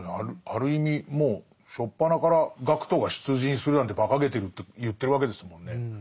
ある意味もう初っぱなから学徒が出陣するなんてばかげてるって言ってるわけですもんね。